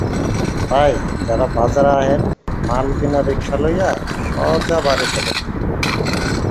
তাই যারা বাজারে আহেন মাল কিনা রিকশা লইয়া সোজা বাড়ি ফেরেন।